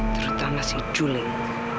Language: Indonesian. terutama si juling